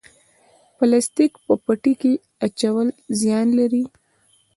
پلاستیک په پټي کې اچول زیان لري؟